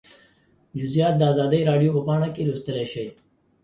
جزییات د ازادي راډیو په پاڼه کې لوستلی شئ